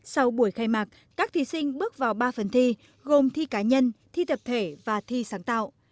sau buổi khai mạc các thí sinh bước vào ba phần thi gồm thi cá nhân thi tập thể và thi sáng tạo